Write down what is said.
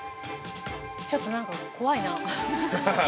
ちょっとなんか怖いな。